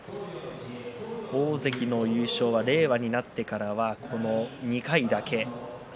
大関の優勝は令和になってからは２回だけです。